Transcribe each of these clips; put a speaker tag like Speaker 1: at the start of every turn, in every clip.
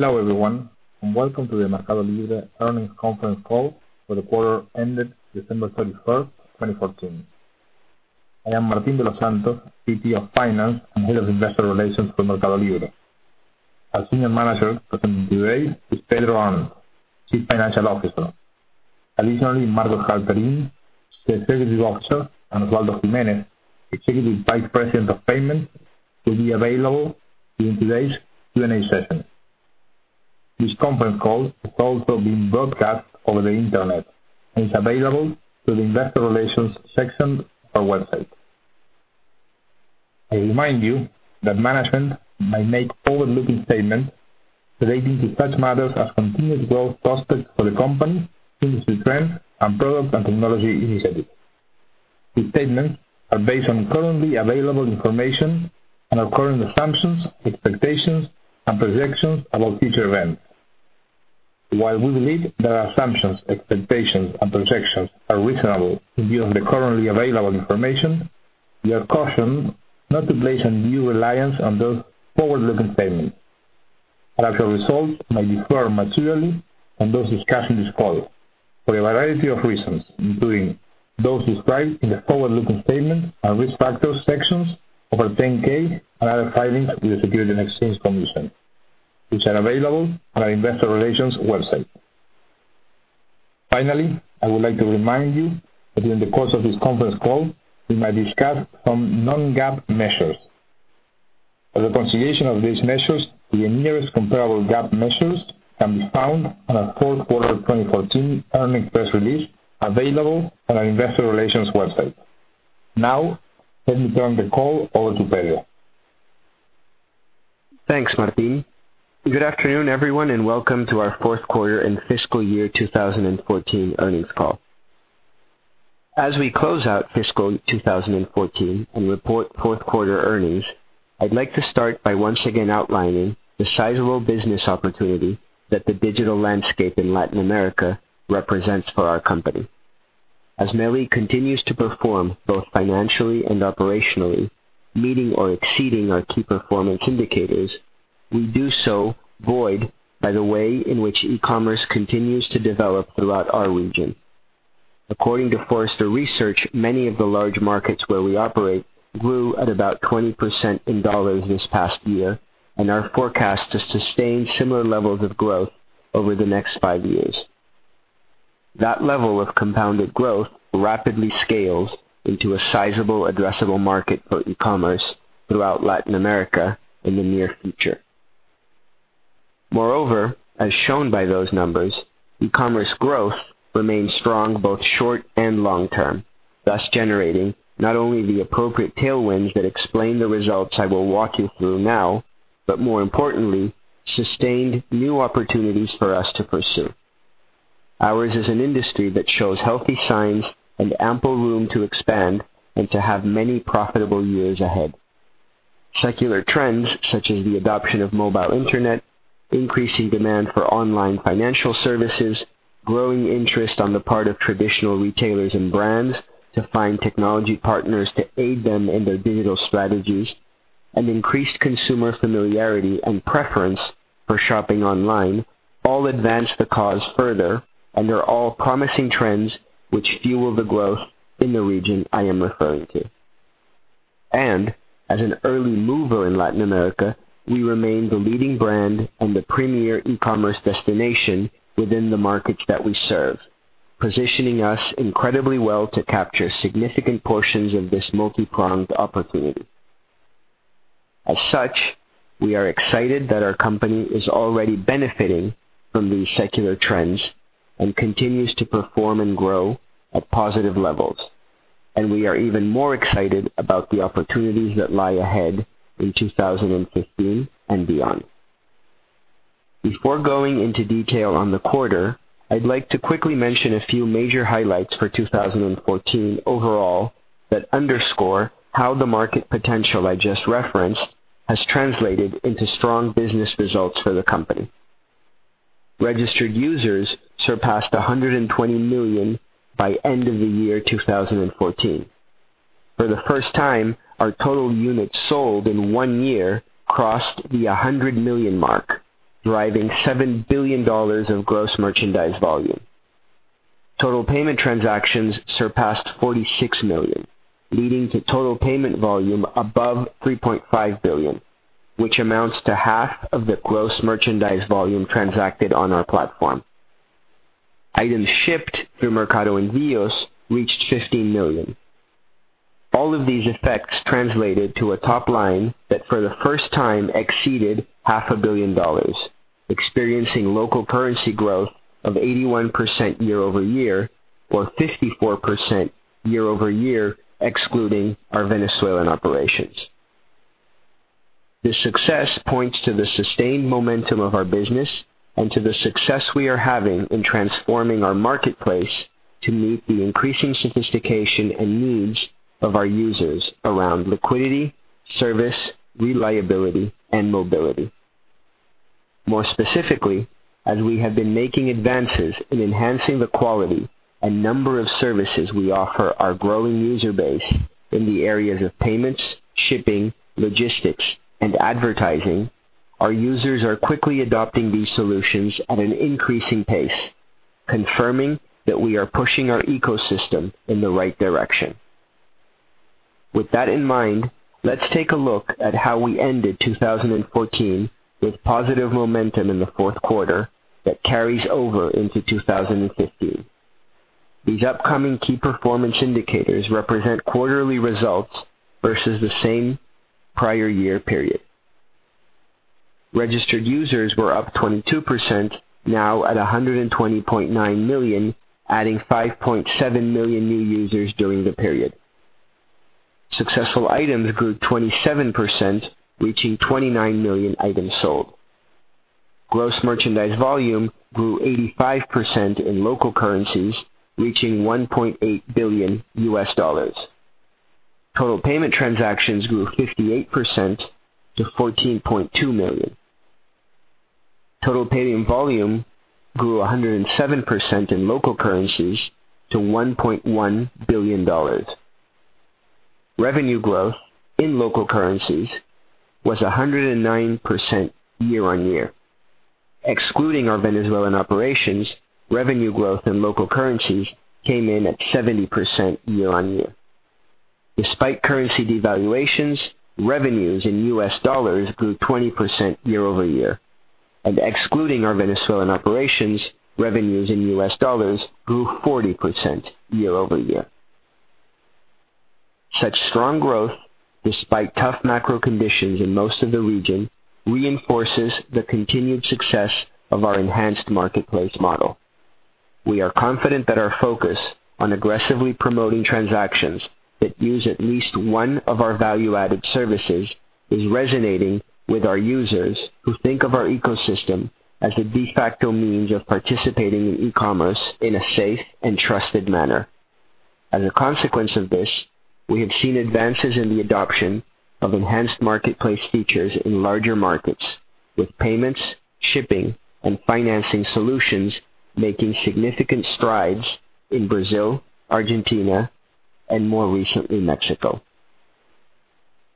Speaker 1: Hello everyone, and welcome to the MercadoLibre earnings conference call for the quarter ended December 31st, 2014. I am Martín de los Santos, VP of Finance and Head of Investor Relations for MercadoLibre. Our Senior Manager presenting today is Pedro Arnt, Chief Financial Officer. Additionally, Marcos Galperín, Executive Officer, and Osvaldo Giménez, Executive Vice President of Payment, will be available during today's Q&A session. This conference call is also being broadcast over the Internet and is available through the investor relations section of our website. I remind you that management might make forward-looking statements relating to such matters as continued growth prospects for the company, industry trends, and product and technology initiatives. These statements are based on currently available information and our current assumptions, expectations, and projections about future events. While we believe that our assumptions, expectations, and projections are reasonable in view of the currently available information, we are cautioned not to place undue reliance on those forward-looking statements. Our actual results may differ materially on those discussed on this call for a variety of reasons, including those described in the forward-looking statement and risk factors sections of our 10-K and other filings with the Securities and Exchange Commission, which are available on our investor relations website. Finally, I would like to remind you that during the course of this conference call, we might discuss some non-GAAP measures. A reconciliation of these measures to the nearest comparable GAAP measures can be found on our fourth quarter 2014 earnings press release available on our investor relations website. Let me turn the call over to Pedro.
Speaker 2: Thanks, Martín. Good afternoon, everyone, and welcome to our fourth quarter and fiscal year 2014 earnings call. As we close out fiscal 2014 and report fourth quarter earnings, I'd like to start by once again outlining the sizable business opportunity that the digital landscape in Latin America represents for our company. As MercadoLibre continues to perform both financially and operationally, meeting or exceeding our key performance indicators, we do so buoyed by the way in which e-commerce continues to develop throughout our region. According to Forrester Research, many of the large markets where we operate grew at about 20% in dollars this past year, and are forecast to sustain similar levels of growth over the next five years. That level of compounded growth rapidly scales into a sizable addressable market for e-commerce throughout Latin America in the near future. Moreover, as shown by those numbers, e-commerce growth remains strong, both short and long term, thus generating not only the appropriate tailwinds that explain the results I will walk you through now, but more importantly, sustained new opportunities for us to pursue. Ours is an industry that shows healthy signs and ample room to expand and to have many profitable years ahead. Secular trends such as the adoption of mobile Internet, increasing demand for online financial services, growing interest on the part of traditional retailers and brands to find technology partners to aid them in their digital strategies, and increased consumer familiarity and preference for shopping online all advance the cause further and are all promising trends which fuel the growth in the region I am referring to. As an early mover in Latin America, we remain the leading brand and the premier e-commerce destination within the markets that we serve, positioning us incredibly well to capture significant portions of this multi-pronged opportunity. As such, we are excited that our company is already benefiting from these secular trends and continues to perform and grow at positive levels. We are even more excited about the opportunities that lie ahead in 2015 and beyond. Before going into detail on the quarter, I'd like to quickly mention a few major highlights for 2014 overall that underscore how the market potential I just referenced has translated into strong business results for the company. Registered users surpassed 120 million by end of the year 2014. For the first time, our total units sold in one year crossed the 100 million mark, driving $7 billion of gross merchandise volume. Total payment transactions surpassed 46 million, leading to total payment volume above $3.5 billion, which amounts to half of the gross merchandise volume transacted on our platform. Items shipped through Mercado Envios reached 15 million. All of these effects translated to a top line that for the first time exceeded half a billion dollars, experiencing local currency growth of 81% year-over-year or 54% year-over-year, excluding our Venezuelan operations. This success points to the sustained momentum of our business and to the success we are having in transforming our marketplace to meet the increasing sophistication and needs of our users around liquidity, service, reliability, and mobility. More specifically, as we have been making advances in enhancing the quality and number of services we offer our growing user base in the areas of payments, shipping, logistics, and advertising, our users are quickly adopting these solutions at an increasing pace, confirming that we are pushing our ecosystem in the right direction. With that in mind, let's take a look at how we ended 2014 with positive momentum in the fourth quarter that carries over into 2015. These upcoming key performance indicators represent quarterly results versus the same prior year period. Registered users were up 22%, now at 120.9 million, adding 5.7 million new users during the period. Successful items grew 27%, reaching 29 million items sold. Gross merchandise volume grew 85% in local currencies, reaching $1.8 billion. Total payment transactions grew 58% to 14.2 million. Total payment volume grew 107% in local currencies to $1.1 billion. Revenue growth in local currencies was 109% year-on-year. Excluding our Venezuelan operations, revenue growth in local currencies came in at 70% year-on-year. Despite currency devaluations, revenues in US dollars grew 20% year-over-year. Excluding our Venezuelan operations, revenues in US dollars grew 40% year-over-year. Such strong growth, despite tough macro conditions in most of the region, reinforces the continued success of our enhanced marketplace model. We are confident that our focus on aggressively promoting transactions that use at least one of our value-added services is resonating with our users who think of our ecosystem as a de facto means of participating in e-commerce in a safe and trusted manner. As a consequence of this, we have seen advances in the adoption of enhanced marketplace features in larger markets, with payments, shipping, and financing solutions making significant strides in Brazil, Argentina, and more recently, Mexico.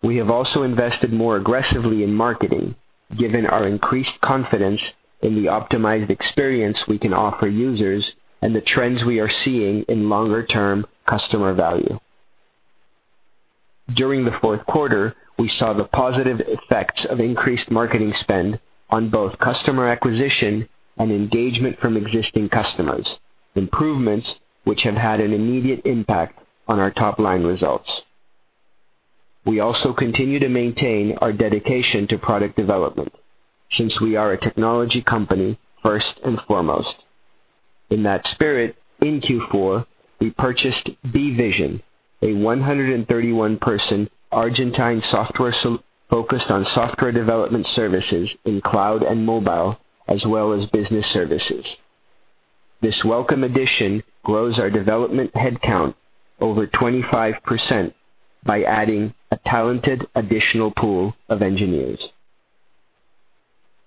Speaker 2: We have also invested more aggressively in marketing, given our increased confidence in the optimized experience we can offer users and the trends we are seeing in longer-term customer value. During the fourth quarter, we saw the positive effects of increased marketing spend on both customer acquisition and engagement from existing customers, improvements which have had an immediate impact on our top-line results. We also continue to maintain our dedication to product development, since we are a technology company first and foremost. In that spirit, in Q4, we purchased beVision, a 131-person Argentine software focused on software development services in cloud and mobile, as well as business services. This welcome addition grows our development headcount over 25% by adding a talented additional pool of engineers.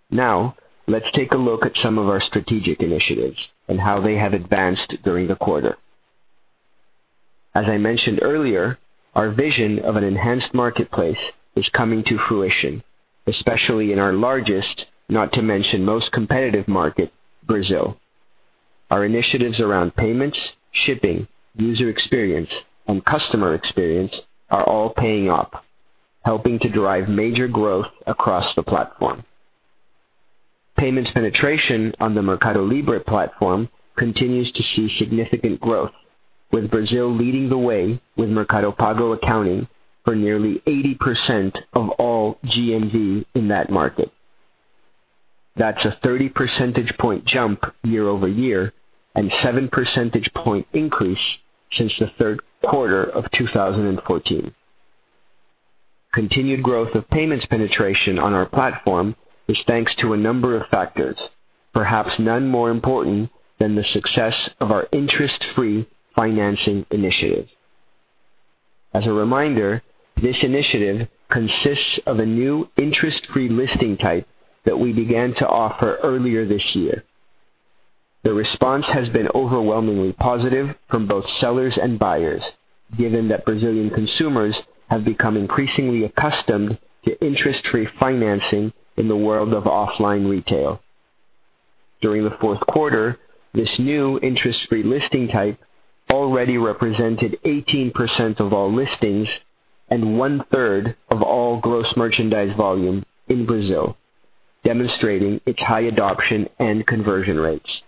Speaker 2: Let's take a look at some of our strategic initiatives and how they have advanced during the quarter. As I mentioned earlier, our vision of an enhanced marketplace is coming to fruition, especially in our largest, not to mention most competitive market, Brazil. Our initiatives around payments, shipping, user experience, and customer experience are all paying off, helping to drive major growth across the platform. Payments penetration on the MercadoLibre platform continues to see significant growth, with Brazil leading the way with Mercado Pago accounting for nearly 80% of all GMV in that market. That's a 30 percentage point jump year-over-year and 7 percentage point increase since the third quarter of 2014. Continued growth of payments penetration on our platform is thanks to a number of factors, perhaps none more important than the success of our interest-free financing initiative. As a reminder, this initiative consists of a new interest-free listing type that we began to offer earlier this year. The response has been overwhelmingly positive from both sellers and buyers, given that Brazilian consumers have become increasingly accustomed to interest-free financing in the world of offline retail. During the fourth quarter, this new interest-free listing type already represented 18% of all listings and one-third of all gross merchandise volume in Brazil, demonstrating its high adoption and conversion rates.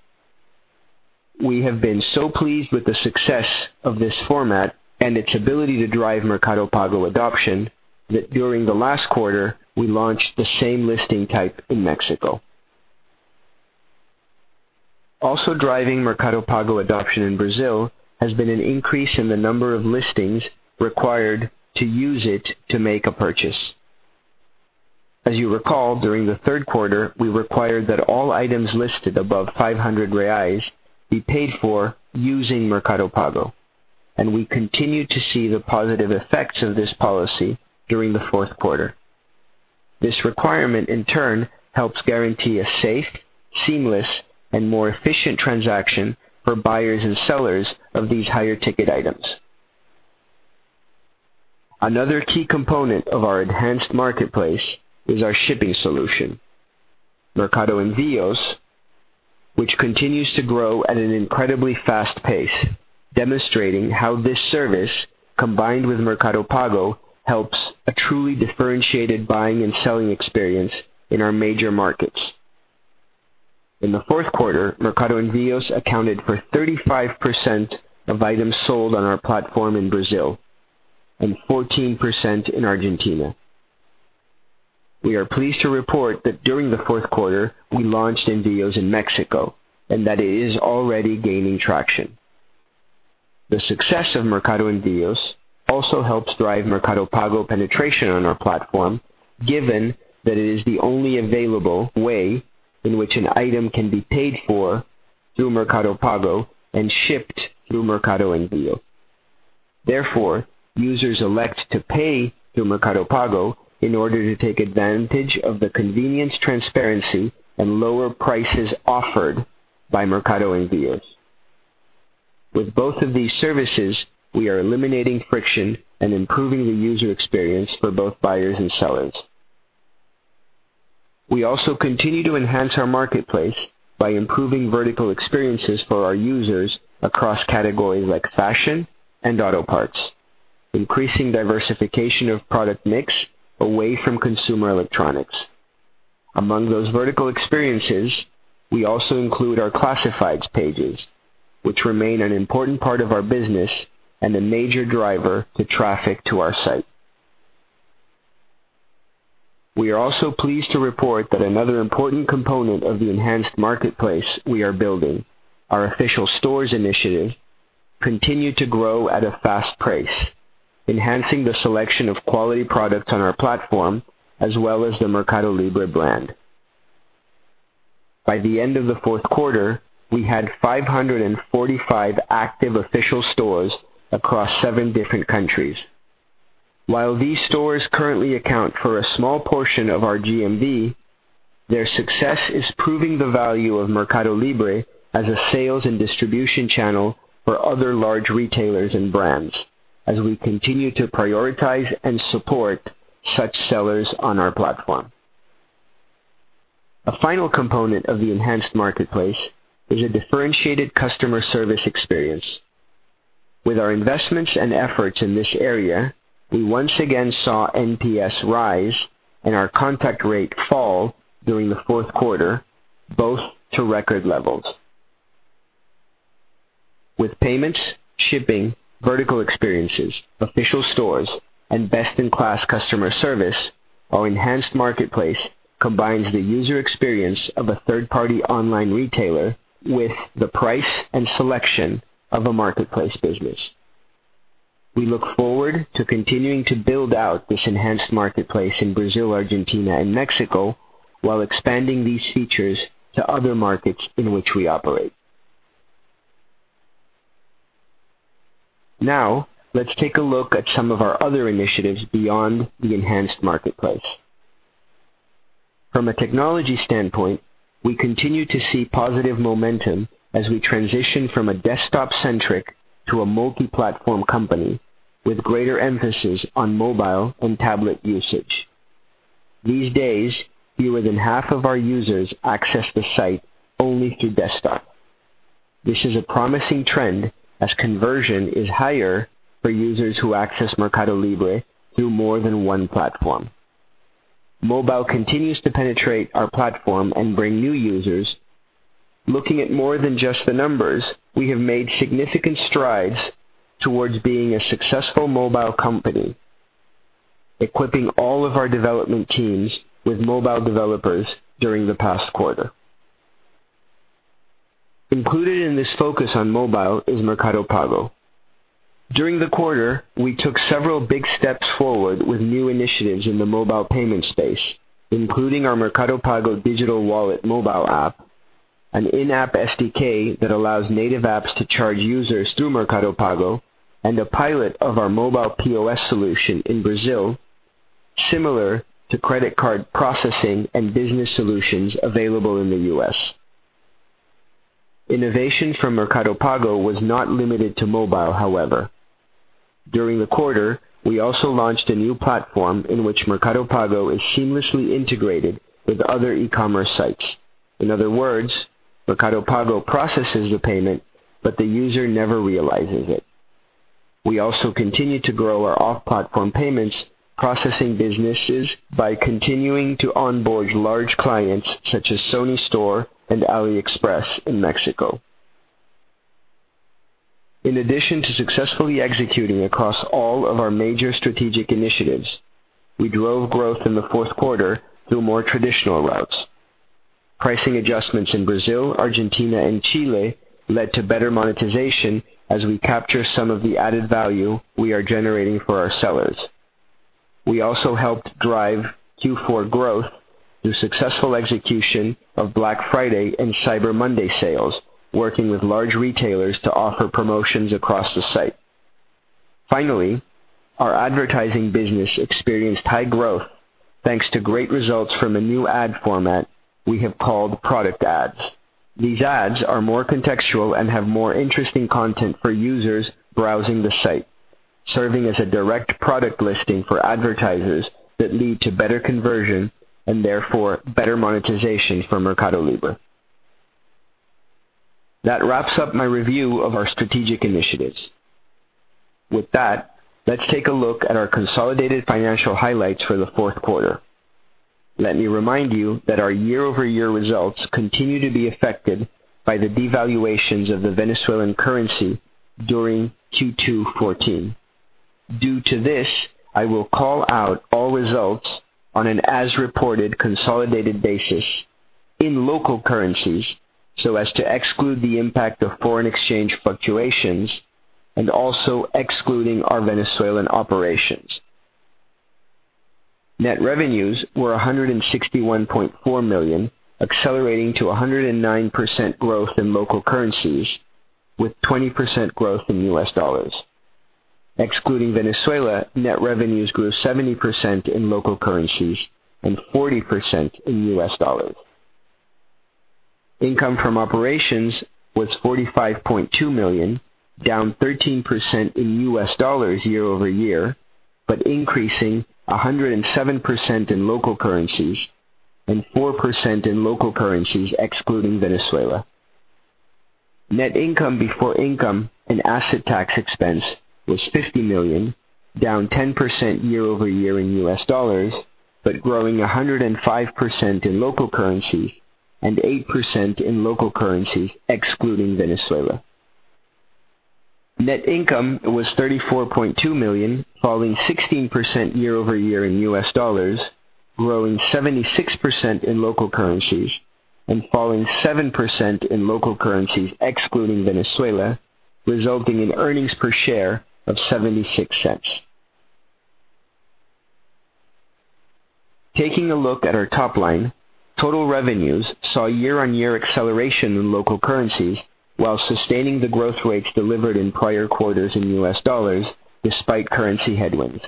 Speaker 2: We have been so pleased with the success of this format and its ability to drive Mercado Pago adoption that during the last quarter, we launched the same listing type in Mexico. Also driving Mercado Pago adoption in Brazil has been an increase in the number of listings required to use it to make a purchase. As you recall, during the third quarter, we required that all items listed above 500 reais be paid for using Mercado Pago. We continued to see the positive effects of this policy during the fourth quarter. This requirement, in turn, helps guarantee a safe, seamless, and more efficient transaction for buyers and sellers of these higher ticket items. Another key component of our enhanced marketplace is our shipping solution, Mercado Envios, which continues to grow at an incredibly fast pace, demonstrating how this service, combined with Mercado Pago, helps a truly differentiated buying and selling experience in our major markets. In the fourth quarter, Mercado Envios accounted for 35% of items sold on our platform in Brazil and 14% in Argentina. We are pleased to report that during the fourth quarter, we launched Envios in Mexico, and that it is already gaining traction. The success of Mercado Envios also helps drive Mercado Pago penetration on our platform, given that it is the only available way in which an item can be paid for through Mercado Pago and shipped through Mercado Envios. Therefore, users elect to pay through Mercado Pago in order to take advantage of the convenience, transparency, and lower prices offered by Mercado Envios. With both of these services, we are eliminating friction and improving the user experience for both buyers and sellers. We also continue to enhance our marketplace by improving vertical experiences for our users across categories like fashion and auto parts, increasing diversification of product mix away from consumer electronics. Among those vertical experiences, we also include our classifieds pages, which remain an important part of our business and a major driver to traffic to our site. We are also pleased to report that another important component of the enhanced marketplace we are building, our official stores initiative, continued to grow at a fast pace, enhancing the selection of quality products on our platform, as well as the Mercado Libre brand. By the end of the fourth quarter, we had 545 active official stores across seven different countries. While these stores currently account for a small portion of our GMV, their success is proving the value of Mercado Libre as a sales and distribution channel for other large retailers and brands as we continue to prioritize and support such sellers on our platform. A final component of the enhanced marketplace is a differentiated customer service experience. With our investments and efforts in this area, we once again saw NPS rise and our contact rate fall during the fourth quarter, both to record levels. With payments, shipping, vertical experiences, official stores, and best-in-class customer service, our enhanced marketplace combines the user experience of a third-party online retailer with the price and selection of a marketplace business. We look forward to continuing to build out this enhanced marketplace in Brazil, Argentina, and Mexico while expanding these features to other markets in which we operate. Let's take a look at some of our other initiatives beyond the enhanced marketplace. From a technology standpoint, we continue to see positive momentum as we transition from a desktop-centric to a multi-platform company with greater emphasis on mobile and tablet usage. These days, fewer than half of our users access the site only through desktop. This is a promising trend as conversion is higher for users who access Mercado Libre through more than one platform. Mobile continues to penetrate our platform and bring new users. Looking at more than just the numbers, we have made significant strides towards being a successful mobile company, equipping all of our development teams with mobile developers during the past quarter. Included in this focus on mobile is Mercado Pago. During the quarter, we took several big steps forward with new initiatives in the mobile payment space, including our Mercado Pago digital wallet mobile app, an in-app SDK that allows native apps to charge users through Mercado Pago, and a pilot of our mobile POS solution in Brazil, similar to credit card processing and business solutions available in the U.S. Innovation from Mercado Pago was not limited to mobile, however. During the quarter, we also launched a new platform in which Mercado Pago is seamlessly integrated with other e-commerce sites. In other words, Mercado Pago processes the payment, but the user never realizes it. We also continue to grow our off-platform payments processing businesses by continuing to onboard large clients such as Sony Store and AliExpress in Mexico. In addition to successfully executing across all of our major strategic initiatives, we drove growth in the fourth quarter through more traditional routes. Pricing adjustments in Brazil, Argentina, and Chile led to better monetization as we capture some of the added value we are generating for our sellers. We also helped drive Q4 growth through successful execution of Black Friday and Cyber Monday sales, working with large retailers to offer promotions across the site. Finally, our advertising business experienced high growth thanks to great results from a new ad format we have called Product Ads. These ads are more contextual and have more interesting content for users browsing the site, serving as a direct product listing for advertisers that lead to better conversion and therefore better monetization for MercadoLibre. That wraps up my review of our strategic initiatives. With that, let's take a look at our consolidated financial highlights for the fourth quarter. Let me remind you that our year-over-year results continue to be affected by the devaluations of the Venezuelan currency during Q2 2014. Due to this, I will call out all results on an as-reported consolidated basis in local currencies so as to exclude the impact of foreign exchange fluctuations and also excluding our Venezuelan operations. Net revenues were $161.4 million, accelerating to 109% growth in local currencies, with 20% growth in U.S. dollars. Excluding Venezuela, net revenues grew 70% in local currencies and 40% in U.S. dollars. Income from operations was $45.2 million, down 13% in U.S. dollars year-over-year, but increasing 107% in local currencies and 4% in local currencies excluding Venezuela. Net income before income and asset tax expense was $50 million, down 10% year-over-year in U.S. dollars, but growing 105% in local currency and 8% in local currency excluding Venezuela. Net income was $34.2 million, falling 16% year-over-year in U.S. dollars, growing 76% in local currencies, and falling 7% in local currencies excluding Venezuela, resulting in earnings per share of $0.76. Taking a look at our top line, total revenues saw year-on-year acceleration in local currencies while sustaining the growth rates delivered in prior quarters in U.S. dollars despite currency headwinds.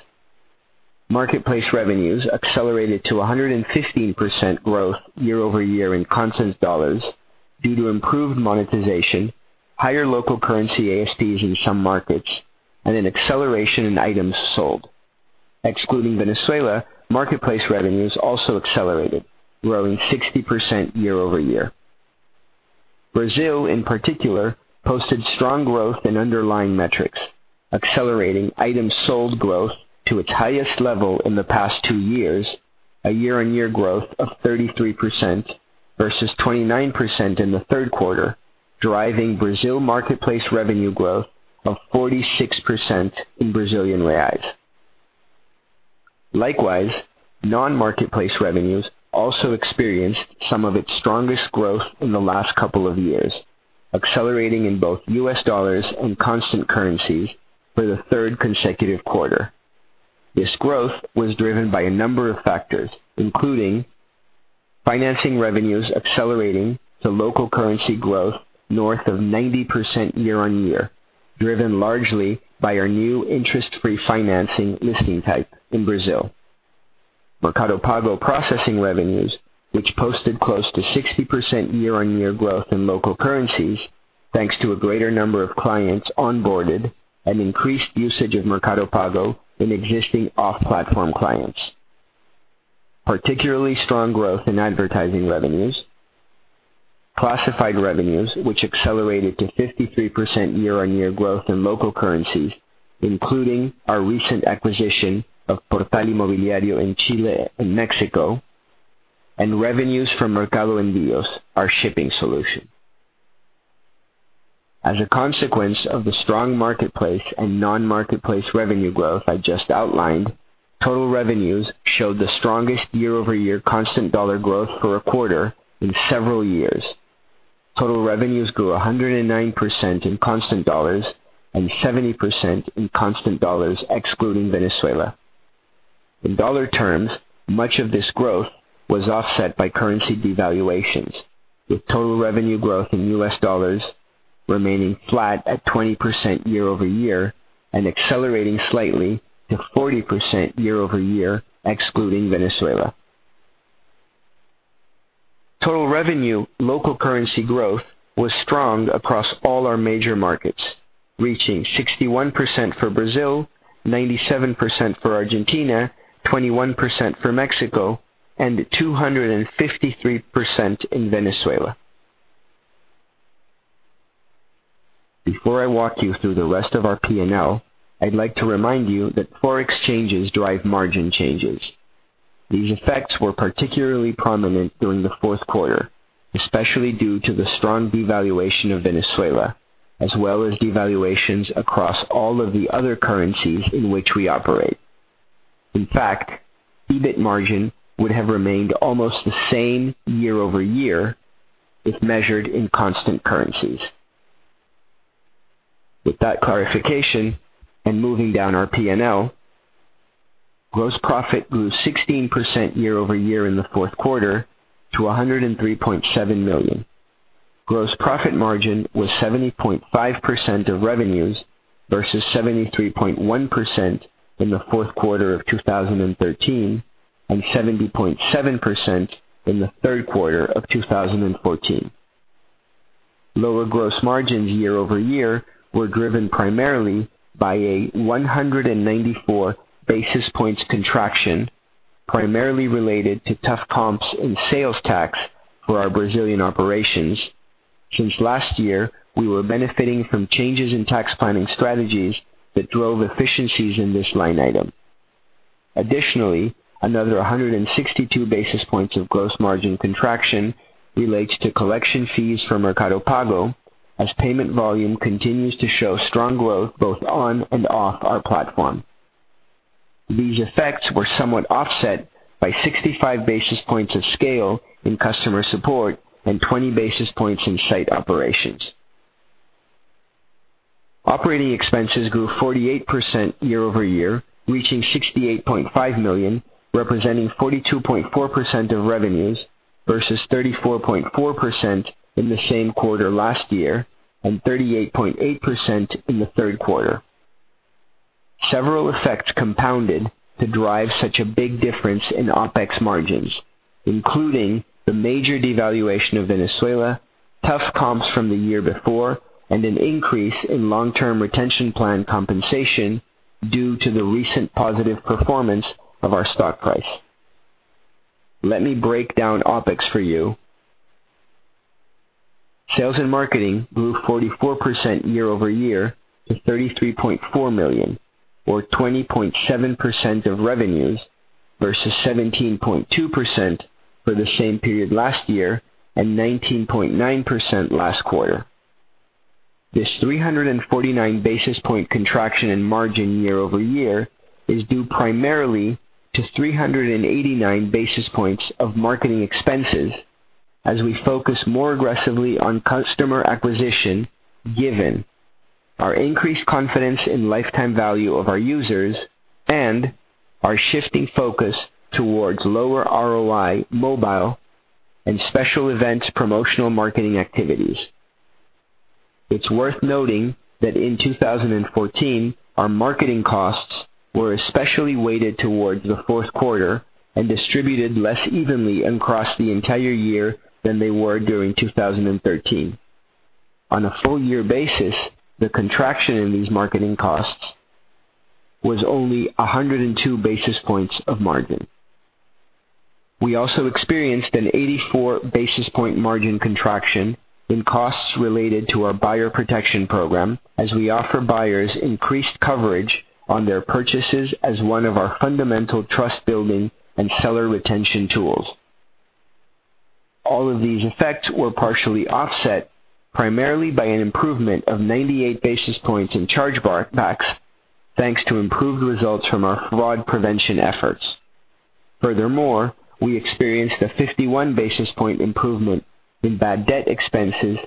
Speaker 2: Marketplace revenues accelerated to 115% growth year-over-year in constant dollars due to improved monetization, higher local currency ASPs in some markets, and an acceleration in items sold. Excluding Venezuela, marketplace revenues also accelerated, growing 16% year-over-year. Brazil, in particular, posted strong growth in underlying metrics, accelerating items sold growth to its highest level in the past two years, a year-on-year growth of 33% versus 29% in the third quarter, driving Brazil marketplace revenue growth of 46% in BRL. Likewise, non-marketplace revenues also experienced some of its strongest growth in the last couple of years, accelerating in both U.S. dollars and constant currencies for the third consecutive quarter. This growth was driven by a number of factors, including financing revenues accelerating to local currency growth north of 90% year-on-year, driven largely by our new interest-free financing listing type in Brazil. Mercado Pago processing revenues, which posted close to 60% year-over-year growth in local currencies, thanks to a greater number of clients onboarded and increased usage of Mercado Pago in existing off-platform clients, particularly strong growth in advertising revenues, classified revenues, which accelerated to 53% year-over-year growth in local currencies, including our recent acquisition of Portal Inmobiliario in Chile and Mexico, and revenues from Mercado Envios, our shipping solution. As a consequence of the strong marketplace and non-marketplace revenue growth I just outlined, total revenues showed the strongest year-over-year constant dollar growth for a quarter in several years. Total revenues grew 109% in constant dollars and 70% in constant dollars excluding Venezuela. In dollar terms, much of this growth was offset by currency devaluations, with total revenue growth in U.S. dollars remaining flat at 20% year-over-year and accelerating slightly to 40% year-over-year excluding Venezuela. Total revenue local currency growth was strong across all our major markets, reaching 61% for Brazil, 97% for Argentina, 21% for Mexico, and 253% in Venezuela. Before I walk you through the rest of our P&L, I'd like to remind you that Forex changes drive margin changes. These effects were particularly prominent during the fourth quarter, especially due to the strong devaluation of Venezuela, as well as devaluations across all of the other currencies in which we operate. In fact, EBIT margin would have remained almost the same year-over-year if measured in constant currencies. With that clarification and moving down our P&L, gross profit grew 16% year-over-year in the fourth quarter to $103.7 million. Gross profit margin was 70.5% of revenues versus 73.1% in the fourth quarter of 2013 and 70.7% in the third quarter of 2014. Lower gross margins year-over-year were driven primarily by a 194 basis points contraction, primarily related to tough comps in sales tax for our Brazilian operations. Since last year, we were benefiting from changes in tax planning strategies that drove efficiencies in this line item. Additionally, another 162 basis points of gross margin contraction relates to collection fees from Mercado Pago, as payment volume continues to show strong growth both on and off our platform. These effects were somewhat offset by 65 basis points of scale in customer support and 20 basis points in site operations. Operating expenses grew 48% year-over-year, reaching $68.5 million, representing 42.4% of revenues versus 34.4% in the same quarter last year, and 38.8% in the third quarter. Several effects compounded to drive such a big difference in OpEx margins, including the major devaluation of Venezuela, tough comps from the year before, and an increase in long-term retention plan compensation due to the recent positive performance of our stock price. Let me break down OpEx for you. Sales and marketing grew 44% year-over-year to $33.4 million, or 20.7% of revenues versus 17.2% for the same period last year and 19.9% last quarter. This 349 basis point contraction in margin year-over-year is due primarily to 389 basis points of marketing expenses as we focus more aggressively on customer acquisition given our increased confidence in lifetime value of our users and our shifting focus towards lower ROI mobile and special events promotional marketing activities. It's worth noting that in 2014, our marketing costs were especially weighted towards the fourth quarter and distributed less evenly across the entire year than they were during 2013. On a full year basis, the contraction in these marketing costs was only 102 basis points of margin. We also experienced an 84 basis point margin contraction in costs related to our buyer protection program as we offer buyers increased coverage on their purchases as one of our fundamental trust-building and seller retention tools. All of these effects were partially offset primarily by an improvement of 98 basis points in chargebacks, thanks to improved results from our fraud prevention efforts. Furthermore, we experienced a 51 basis point improvement in bad debt expenses,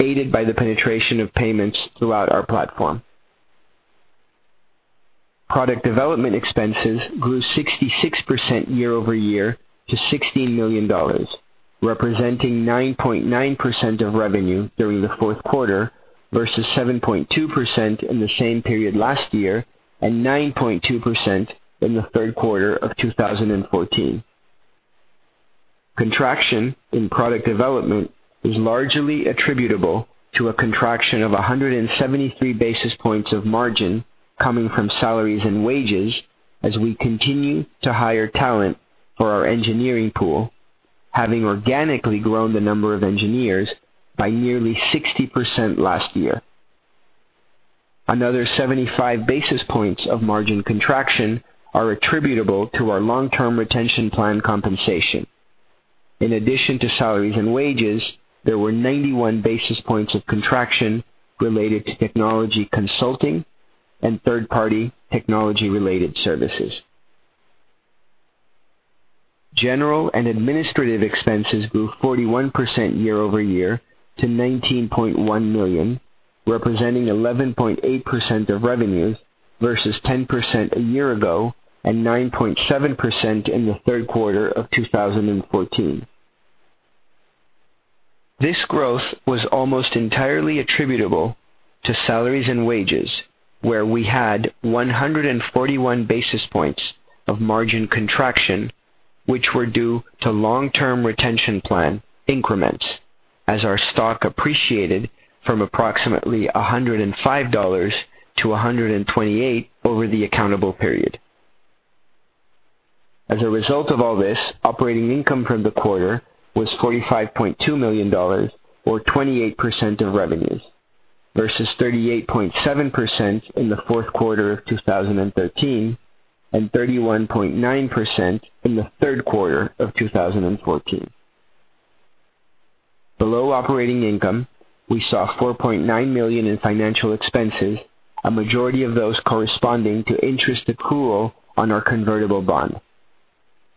Speaker 2: aided by the penetration of payments throughout our platform. Product development expenses grew 66% year-over-year to $16 million, representing 9.9% of revenue during the fourth quarter versus 7.2% in the same period last year and 9.2% in the third quarter of 2014. Contraction in product development is largely attributable to a contraction of 173 basis points of margin coming from salaries and wages as we continue to hire talent for our engineering pool, having organically grown the number of engineers by nearly 60% last year. Another 75 basis points of margin contraction are attributable to our long-term retention plan compensation. In addition to salaries and wages, there were 91 basis points of contraction related to technology consulting and third-party technology-related services. General and administrative expenses grew 41% year-over-year to $19.1 million, representing 11.8% of revenues versus 10% a year ago and 9.7% in the third quarter of 2014. This growth was almost entirely attributable to salaries and wages, where we had 141 basis points of margin contraction, which were due to long-term retention plan increments as our stock appreciated from approximately $105 to $128 over the accountable period. As a result of all this, operating income from the quarter was $45.2 million, or 28% of revenues, versus 38.7% in the fourth quarter of 2013 and 31.9% in the third quarter of 2014. Below operating income, we saw $4.9 million in financial expenses, a majority of those corresponding to interest accrual on our convertible bond.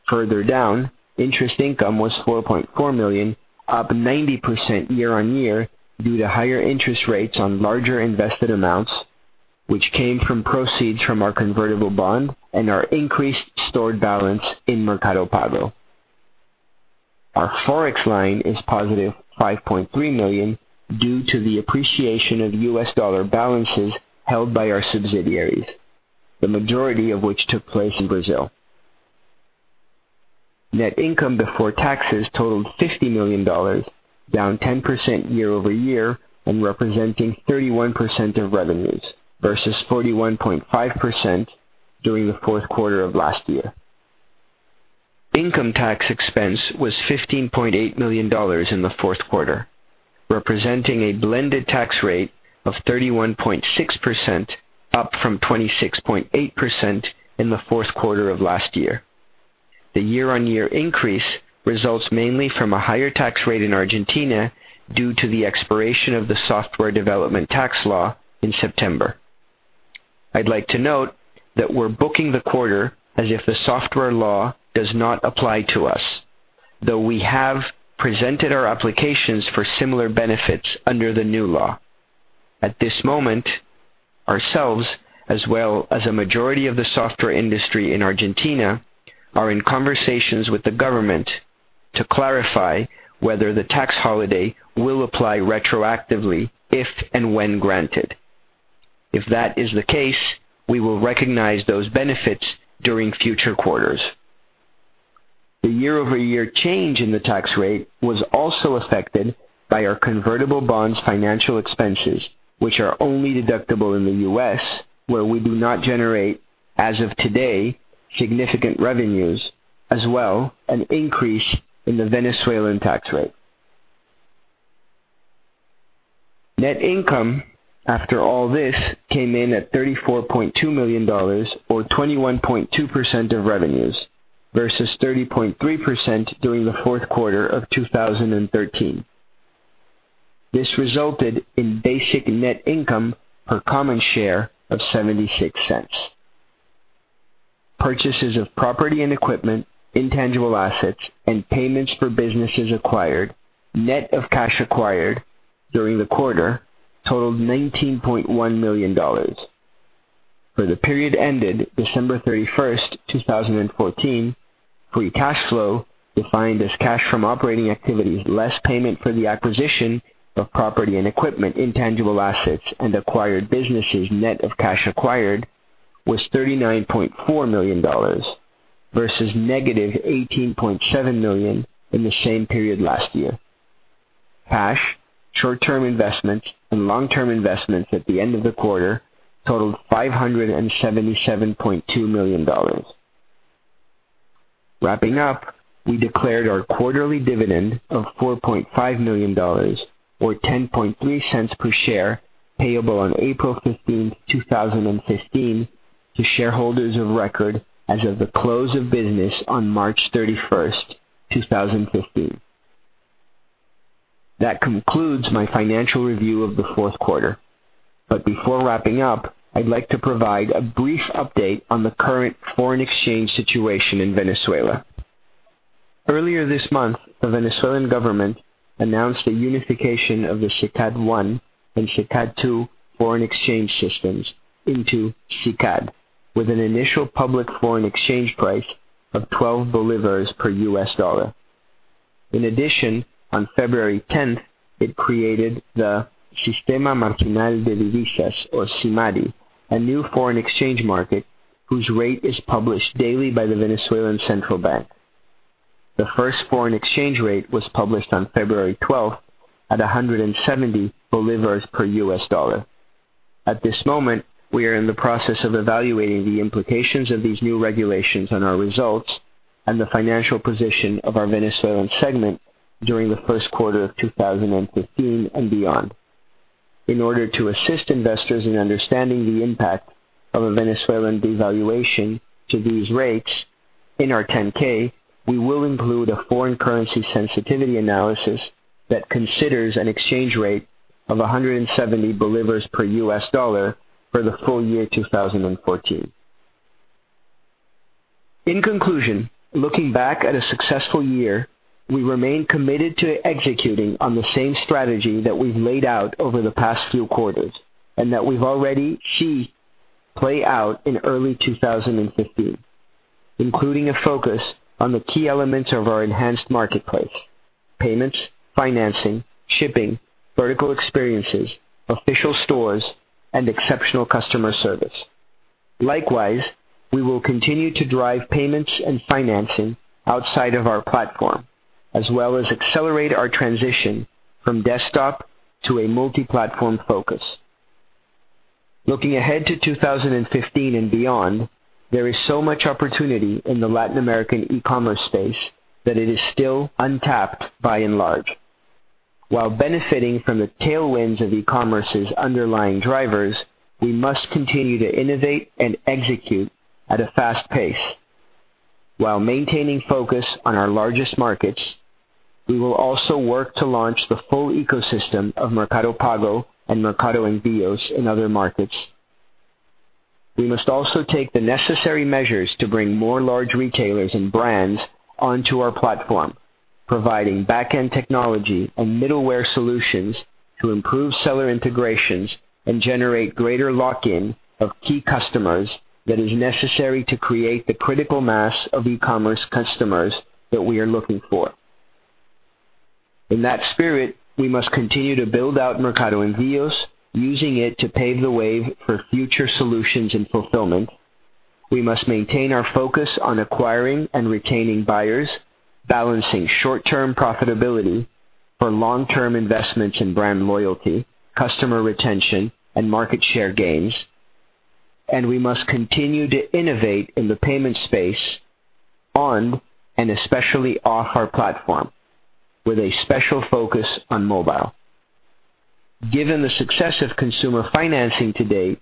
Speaker 2: Further down, interest income was $4.4 million, up 90% year-on-year due to higher interest rates on larger invested amounts, which came from proceeds from our convertible bond and our increased stored balance in Mercado Pago. Our Forex line is positive $5.3 million due to the appreciation of U.S. dollar balances held by our subsidiaries, the majority of which took place in Brazil. Net income before taxes totaled $50 million, down 10% year-over-year and representing 31% of revenues versus 41.5% during the fourth quarter of last year. Income tax expense was $15.8 million in the fourth quarter, representing a blended tax rate of 31.6%, up from 26.8% in the fourth quarter of last year. The year-on-year increase results mainly from a higher tax rate in Argentina due to the expiration of the software development tax law in September. I'd like to note that we're booking the quarter as if the software law does not apply to us, though we have presented our applications for similar benefits under the new law. At this moment, ourselves, as well as a majority of the software industry in Argentina, are in conversations with the government to clarify whether the tax holiday will apply retroactively if and when granted. If that is the case, we will recognize those benefits during future quarters. The year-over-year change in the tax rate was also affected by our convertible bonds financial expenses, which are only deductible in the U.S., where we do not generate, as of today, significant revenues, as well an increase in the Venezuelan tax rate. Net income after all this came in at $34.2 million, or 21.2% of revenues, versus 30.3% during the fourth quarter of 2013. This resulted in basic net income per common share of $0.76. Purchases of property and equipment, intangible assets, and payments for businesses acquired, net of cash acquired during the quarter totaled $19.1 million. For the period ended December 31st, 2014, free cash flow defined as cash from operating activities less payment for the acquisition of property and equipment, intangible assets, and acquired businesses net of cash acquired was $39.4 million versus -$18.7 million in the same period last year. Cash, short-term investments, and long-term investments at the end of the quarter totaled $577.2 million. Wrapping up, we declared our quarterly dividend of $4.5 million, or $0.103 per share payable on April 15, 2015, to shareholders of record as of the close of business on March 31st, 2015. That concludes my financial review of the fourth quarter. Before wrapping up, I'd like to provide a brief update on the current foreign exchange situation in Venezuela. Earlier this month, the Venezuelan government announced a unification of the SICAD 1 and SICAD 2 foreign exchange systems into SICAD with an initial public foreign exchange price of 12 VEF per USD. In addition, on February 10th, it created the Sistema Marginal de Divisas, or SIMADI, a new foreign exchange market whose rate is published daily by the Venezuelan Central Bank. The first foreign exchange rate was published on February 12th at 170 VEF per USD. At this moment, we are in the process of evaluating the implications of these new regulations on our results and the financial position of our Venezuelan segment during the first quarter of 2015 and beyond. In order to assist investors in understanding the impact of a Venezuelan devaluation to these rates, in our 10-K, we will include a foreign currency sensitivity analysis that considers an exchange rate of 170 VEF per USD for the full year 2014. In conclusion, looking back at a successful year, we remain committed to executing on the same strategy that we've laid out over the past few quarters, and that we've already seen play out in early 2015, including a focus on the key elements of our enhanced marketplace: payments, financing, shipping, vertical experiences, official stores, and exceptional customer service. Likewise, we will continue to drive payments and financing outside of our platform, as well as accelerate our transition from desktop to a multi-platform focus. Looking ahead to 2015 and beyond, there is so much opportunity in the Latin American e-commerce space that it is still untapped by and large. While benefiting from the tailwinds of e-commerce's underlying drivers, we must continue to innovate and execute at a fast pace. While maintaining focus on our largest markets, we will also work to launch the full ecosystem of Mercado Pago and Mercado Envios in other markets. We must also take the necessary measures to bring more large retailers and brands onto our platform, providing backend technology and middleware solutions to improve seller integrations and generate greater lock-in of key customers that is necessary to create the critical mass of e-commerce customers that we are looking for. In that spirit, we must continue to build out Mercado Envios, using it to pave the way for future solutions in fulfillment. We must maintain our focus on acquiring and retaining buyers, balancing short-term profitability for long-term investments in brand loyalty, customer retention, and market share gains. We must continue to innovate in the payment space on, and especially off our platform, with a special focus on mobile. Given the success of consumer financing to date,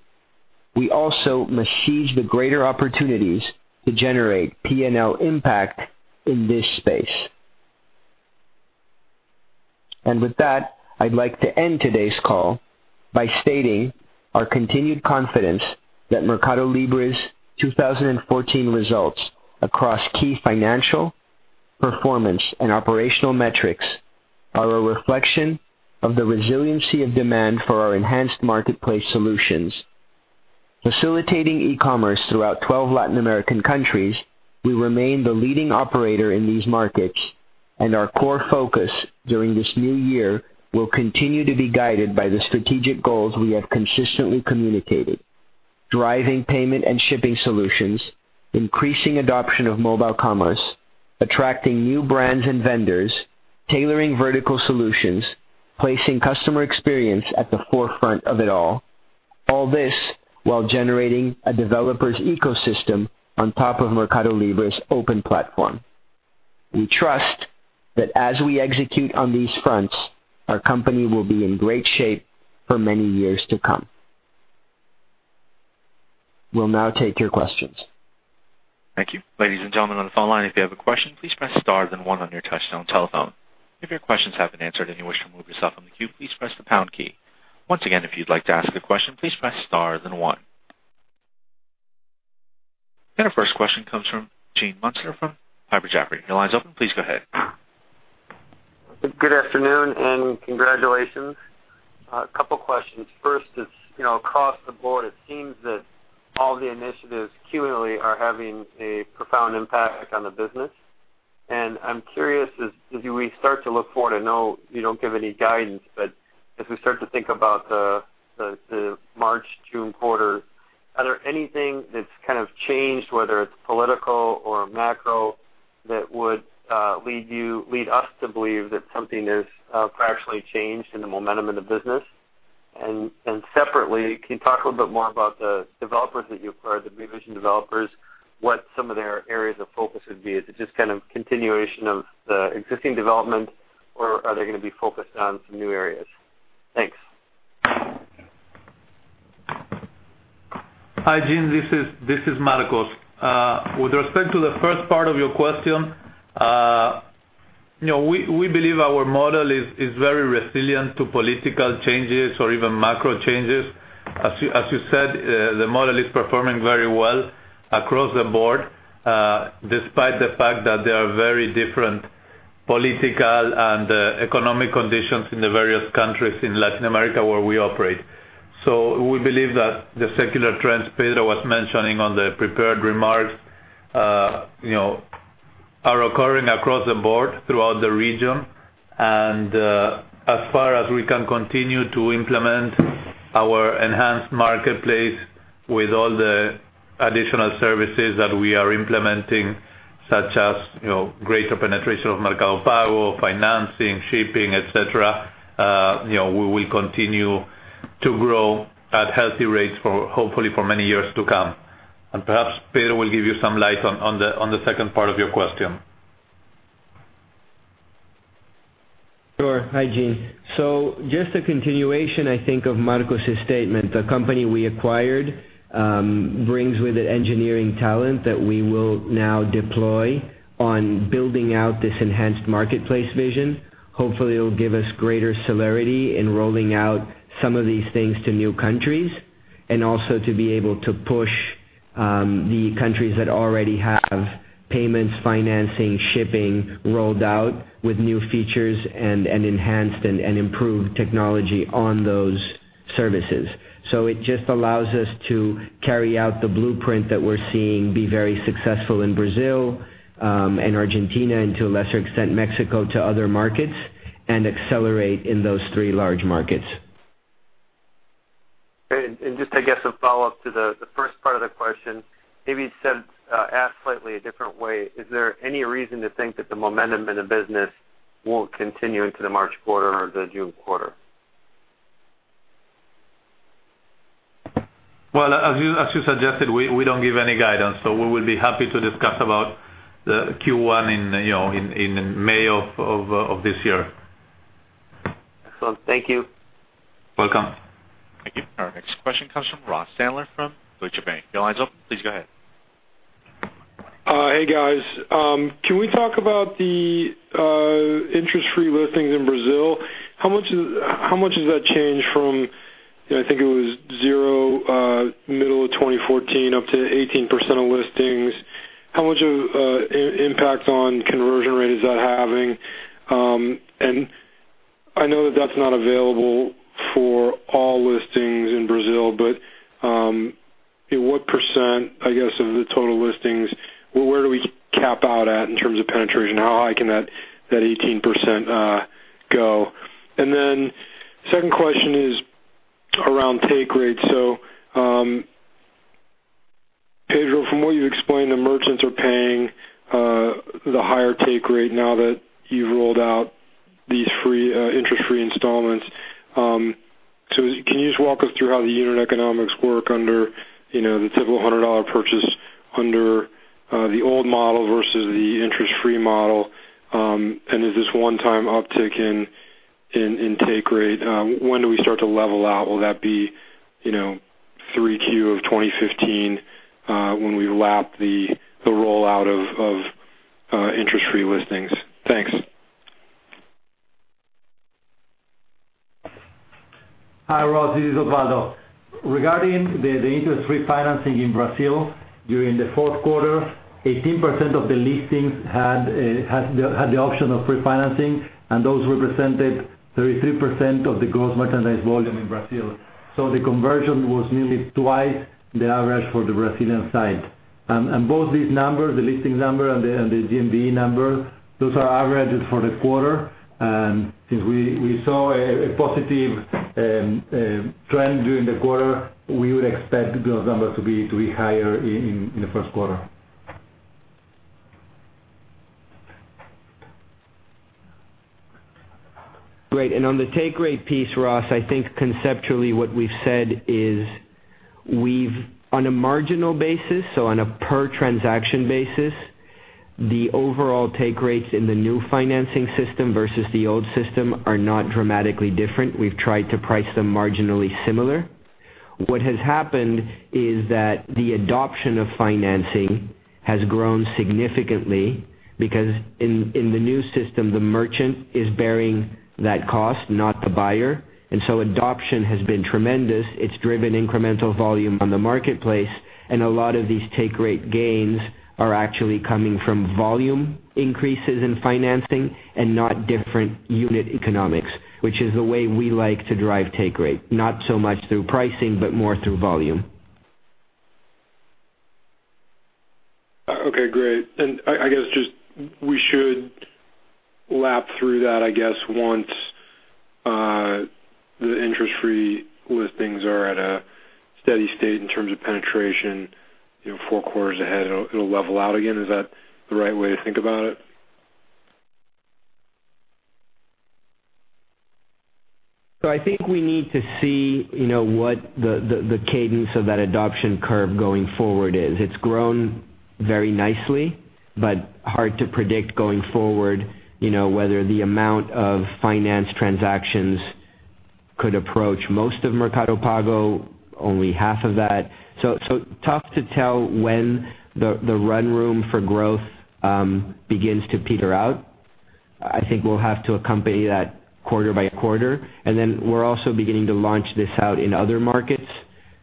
Speaker 2: we also must seize the greater opportunities to generate P&L impact in this space. With that, I'd like to end today's call by stating our continued confidence that MercadoLibre's 2014 results across key financial, performance, and operational metrics are a reflection of the resiliency of demand for our enhanced marketplace solutions. Facilitating e-commerce throughout 12 Latin American countries, we remain the leading operator in these markets, and our core focus during this new year will continue to be guided by the strategic goals we have consistently communicated. Driving payment and shipping solutions, increasing adoption of mobile commerce, attracting new brands and vendors, tailoring vertical solutions, placing customer experience at the forefront of it all. All this while generating a developer's ecosystem on top of MercadoLibre's open platform. We trust that as we execute on these fronts, our company will be in great shape for many years to come. We'll now take your questions.
Speaker 3: Thank you. Ladies and gentlemen on the phone line, if you have a question, please press star then one on your touchtone telephone. If your questions have been answered and you wish to remove yourself from the queue, please press the pound key. Once again, if you'd like to ask a question, please press star then one. Our first question comes from Gene Munster from Piper Jaffray. Your line's open, please go ahead.
Speaker 4: Good afternoon, congratulations. A couple questions. First, across the board, it seems that all the initiatives cumulatively are having a profound impact on the business. I'm curious, as we start to look forward, I know you don't give any guidance, but as we start to think about the March, June quarter, are there anything that's kind of changed, whether it's political or macro, that would lead us to believe that something has drastically changed in the momentum of the business? Separately, can you talk a little bit more about the developers that you acquired, the beVision developers, what some of their areas of focus would be? Is it just kind of continuation of the existing development, or are they going to be focused on some new areas? Thanks.
Speaker 5: Hi, Gene. This is Marcos. With respect to the first part of your question, we believe our model is very resilient to political changes or even macro changes. As you said, the model is performing very well across the board, despite the fact that there are very different political and economic conditions in the various countries in Latin America where we operate. We believe that the secular trends Pedro was mentioning on the prepared remarks are occurring across the board throughout the region. As far as we can continue to implement our enhanced marketplace with all the additional services that we are implementing, such as greater penetration of Mercado Pago, financing, shipping, et cetera, we will continue to grow at healthy rates, hopefully for many years to come. Perhaps Pedro will give you some light on the second part of your question.
Speaker 2: Sure. Hi, Gene. Just a continuation, I think, of Marcos's statement. The company we acquired brings with it engineering talent that we will now deploy on building out this enhanced marketplace vision. Hopefully, it'll give us greater celerity in rolling out some of these things to new countries, and also to be able to push the countries that already have payments, financing, shipping rolled out with new features and enhanced and improved technology on those services. It just allows us to carry out the blueprint that we're seeing be very successful in Brazil and Argentina, and to a lesser extent, Mexico, to other markets, and accelerate in those three large markets.
Speaker 4: Great. Just, I guess, a follow-up to the first part of the question, maybe asked slightly a different way. Is there any reason to think that the momentum in the business won't continue into the March quarter or the June quarter?
Speaker 5: Well, as you suggested, we don't give any guidance. We will be happy to discuss about the Q1 in May of this year.
Speaker 4: Excellent. Thank you.
Speaker 5: Welcome.
Speaker 3: Thank you. Our next question comes from Ross Sandler from Deutsche Bank. Your line's open, please go ahead.
Speaker 6: Hey, guys. Can we talk about the interest-free listings in Brazil? How much has that changed from, I think it was 0 middle of 2014 up to 18% of listings. How much of impact on conversion rate is that having? I know that that's not available for all listings in Brazil, but what %, I guess, of the total listings, where do we cap out at in terms of penetration? How high can that 18% go? Second question is around take rate. Pedro, from what you explained, the merchants are paying the higher take rate now that you've rolled out these interest-free installments. Can you just walk us through how the unit economics work under the typical $100 purchase under the old model versus the interest-free model? Is this one-time uptick in take rate? When do we start to level out? Will that be 3Q of 2015 when we lap the rollout of interest-free listings? Thanks.
Speaker 7: Hi, Ross. This is Osvaldo. Regarding the interest-free financing in Brazil, during the fourth quarter, 18% of the listings had the option of free financing, and those represented 33% of the gross merchandise volume in Brazil. The conversion was nearly twice the average for the Brazilian side. Both these numbers, the listing number and the GMV number, those are averages for the quarter. Since we saw a positive trend during the quarter, we would expect those numbers to be higher in the first quarter.
Speaker 2: Great. On the take rate piece, Ross, I think conceptually what we've said is we've, on a marginal basis, so on a per transaction basis, the overall take rates in the new financing system versus the old system are not dramatically different. We've tried to price them marginally similar. What has happened is that the adoption of financing has grown significantly because in the new system, the merchant is bearing that cost, not the buyer. Adoption has been tremendous. It's driven incremental volume on the marketplace, and a lot of these take rate gains are actually coming from volume increases in financing and not different unit economics, which is the way we like to drive take rate. Not so much through pricing, but more through volume.
Speaker 6: Okay, great. I guess just we should lap through that, I guess, once the interest-free listings are at a steady state in terms of penetration, four quarters ahead, it'll level out again. Is that the right way to think about it?
Speaker 2: I think we need to see what the cadence of that adoption curve going forward is. It's grown very nicely, but hard to predict going forward whether the amount of finance transactions could approach most of Mercado Pago, only half of that. Tough to tell when the run room for growth begins to peter out. I think we'll have to accompany that quarter by quarter. We're also beginning to launch this out in other markets.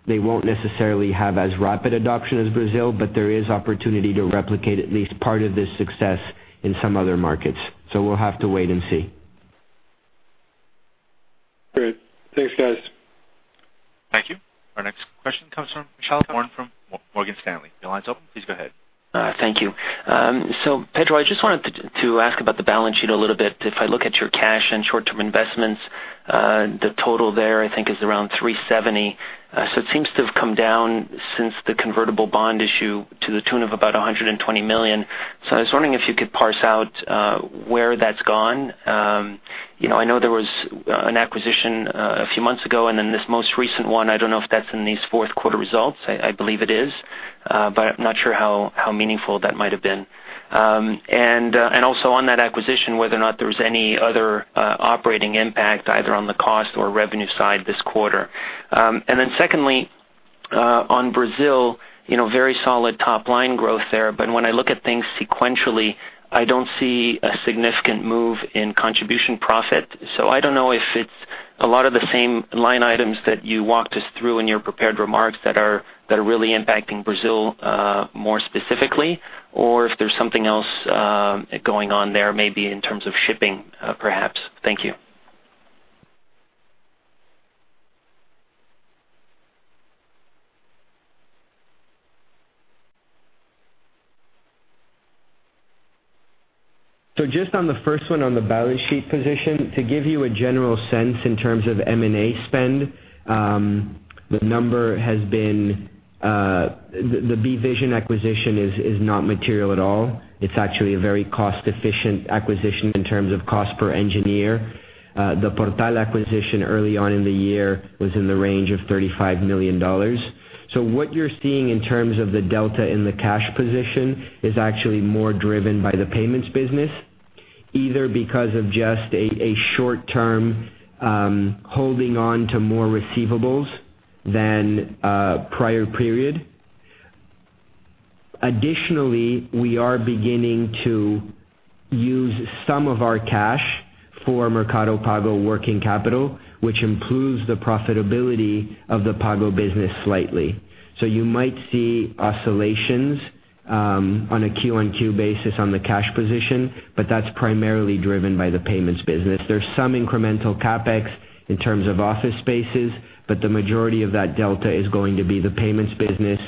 Speaker 2: They won't necessarily have as rapid adoption as Brazil, but there is opportunity to replicate at least part of this success in some other markets. We'll have to wait and see.
Speaker 6: Great. Thanks, guys.
Speaker 3: Thank you. Our next question comes from Michelle Moran from Morgan Stanley. Your line's open. Please go ahead.
Speaker 8: Thank you. Pedro, I just wanted to ask about the balance sheet a little bit. If I look at your cash and short-term investments, the total there, I think, is around $370. It seems to have come down since the convertible bond issue to the tune of about $120 million. I was wondering if you could parse out where that's gone. I know there was an acquisition a few months ago, and then this most recent one. I don't know if that's in these fourth quarter results. I believe it is. I'm not sure how meaningful that might've been. Also on that acquisition, whether or not there was any other operating impact either on the cost or revenue side this quarter. Secondly, on Brazil, very solid top-line growth there. When I look at things sequentially, I don't see a significant move in contribution profit. I don't know if it's a lot of the same line items that you walked us through in your prepared remarks that are really impacting Brazil more specifically, or if there's something else going on there, maybe in terms of shipping, perhaps. Thank you.
Speaker 2: Just on the first one, on the balance sheet position, to give you a general sense in terms of M&A spend, the number has been. The beVision acquisition is not material at all. It's actually a very cost-efficient acquisition in terms of cost per engineer. The Portal acquisition early on in the year was in the range of $35 million. What you're seeing in terms of the delta in the cash position is actually more driven by the payments business. Either because of just a short-term holding on to more receivables than prior period. Additionally, we are beginning to use some of our cash for Mercado Pago working capital, which improves the profitability of the Pago business slightly. You might see oscillations on a Q-on-Q basis on the cash position, but that's primarily driven by the payments business. There's some incremental CapEx in terms of office spaces, the majority of that delta is going to be the payments business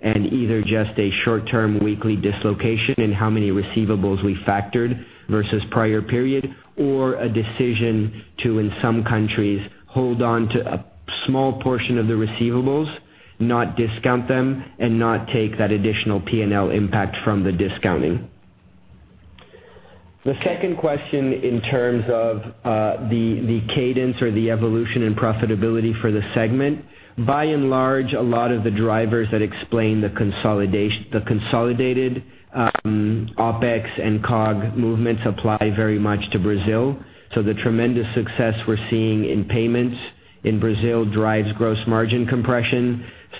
Speaker 2: and either just a short-term weekly dislocation in how many receivables we factored versus prior period or a decision to, in some countries, hold on to a small portion of the receivables, not discount them and not take that additional P&L impact from the discounting. The second question in terms of the cadence or the evolution in profitability for the segment. By and large, a lot of the drivers that explain the consolidated OpEx and COGS movements apply very much to Brazil.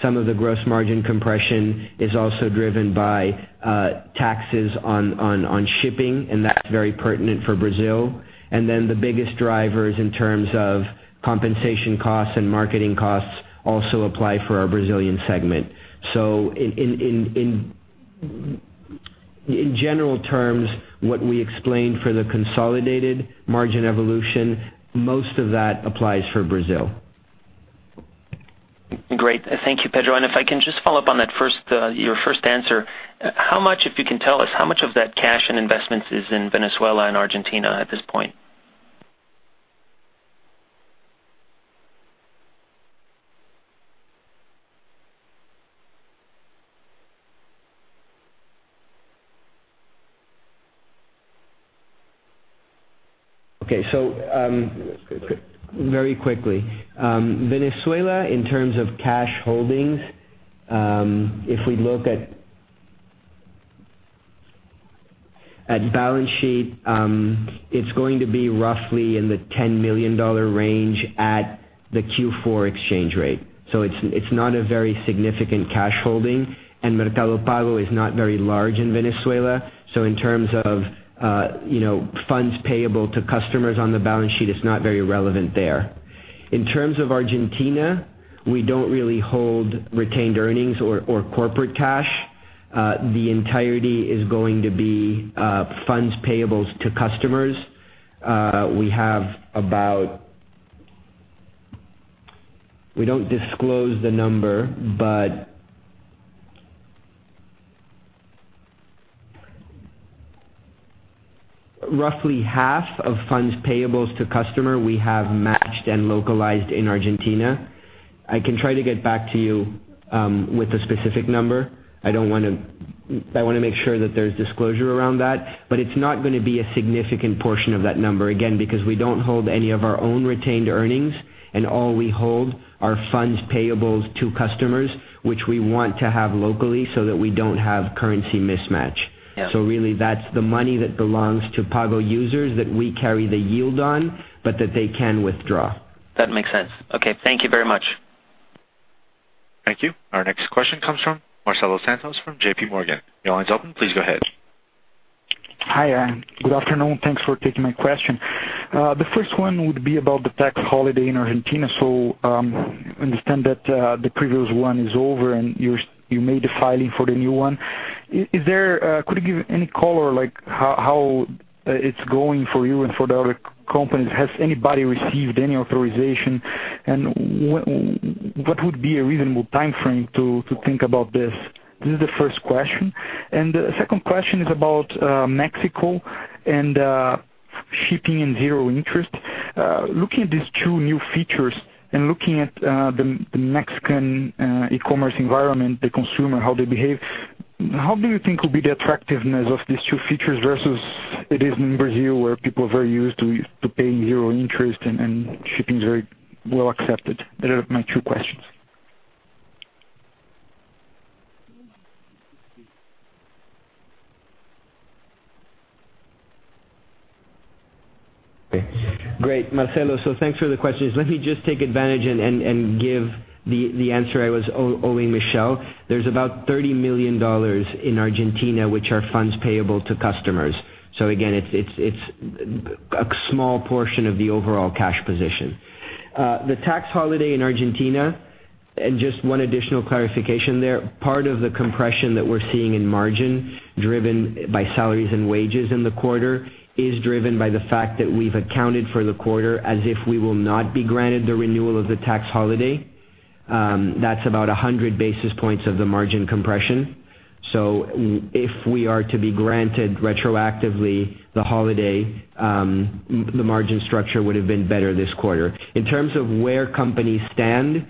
Speaker 2: Some of the gross margin compression is also driven by taxes on shipping, and that's very pertinent for Brazil. The biggest drivers in terms of compensation costs and marketing costs also apply for our Brazilian segment. In general terms, what we explained for the consolidated margin evolution, most of that applies for Brazil.
Speaker 8: Great. Thank you, Pedro. If I can just follow up on your first answer. If you can tell us, how much of that cash and investments is in Venezuela and Argentina at this point?
Speaker 2: Okay. Very quickly. Venezuela, in terms of cash holdings, if we look at balance sheet, it's going to be roughly in the $10 million range at the Q4 exchange rate. It's not a very significant cash holding, and Mercado Pago is not very large in Venezuela. In terms of funds payable to customers on the balance sheet, it's not very relevant there. In terms of Argentina, we don't really hold retained earnings or corporate cash. The entirety is going to be funds payables to customers. We don't disclose the number, but roughly half of funds payables to customer we have matched and localized in Argentina. I can try to get back to you with a specific number. I want to make sure that there's disclosure around that. It's not going to be a significant portion of that number, again, because we don't hold any of our own retained earnings, and all we hold are funds payables to customers, which we want to have locally so that we don't have currency mismatch.
Speaker 8: Yeah.
Speaker 2: Really that's the money that belongs to Pago users that we carry the yield on, but that they can withdraw.
Speaker 8: That makes sense. Okay, thank you very much.
Speaker 3: Thank you. Our next question comes from Marcelo Santos from JP Morgan. Your line is open. Please go ahead.
Speaker 9: Hi. Good afternoon. Thanks for taking my question. The first one would be about the tax holiday in Argentina. I understand that the previous one is over, and you made a filing for the new one. Could you give any color, like how it is going for you and for the other companies? Has anybody received any authorization, and what would be a reasonable timeframe to think about this? This is the first question. The second question is about Mexico and shipping and zero interest. Looking at these two new features and looking at the Mexican e-commerce environment, the consumer, how they behave, how do you think will be the attractiveness of these two features versus it is in Brazil where people are very used to paying zero interest and shipping is very well accepted? They are my two questions.
Speaker 2: Great, Marcelo. Thanks for the questions. Let me just take advantage and give the answer I was owing Michelle. There's about $30 million in Argentina, which are funds payable to customers. Again, it's a small portion of the overall cash position. The tax holiday in Argentina, just one additional clarification there. Part of the compression that we're seeing in margin driven by salaries and wages in the quarter is driven by the fact that we've accounted for the quarter as if we will not be granted the renewal of the tax holiday. That's about 100 basis points of the margin compression. If we are to be granted retroactively the holiday, the margin structure would have been better this quarter. In terms of where companies stand,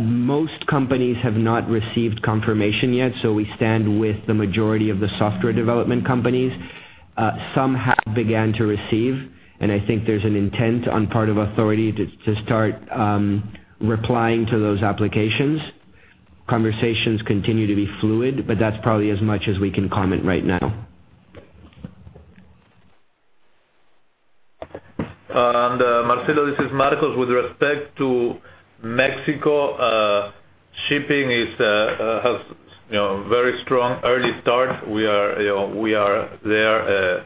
Speaker 2: most companies have not received confirmation yet, we stand with the majority of the software development companies. Some have began to receive, I think there's an intent on part of authority to start replying to those applications. Conversations continue to be fluid, that's probably as much as we can comment right now.
Speaker 5: Marcelo, this is Marcos. With respect to Mexico, shipping has very strong early start. We are there,